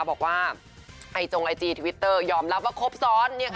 บอกว่าไอจงไอจีทวิตเตอร์ยอมรับว่าครบซ้อน